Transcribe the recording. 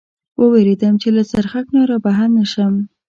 و وېرېدم، چې له څرخک نه را بهر نه شم.